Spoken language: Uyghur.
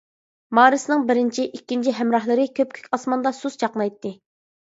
مارسنىڭ بىرىنچى، ئىككىنچى ھەمراھلىرى كۆپكۆك ئاسماندا سۇس چاقنايتتى.